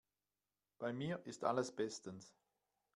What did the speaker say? Bei mir ist alles bestens.